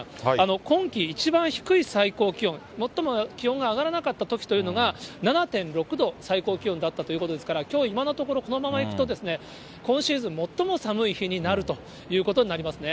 今季一番低い最低気温、最も気温が上がらなかったときというのが７．６度、最高気温だったということですから、きょう今のところ、このままいくと、今シーズン最も寒い日になるということになりますね。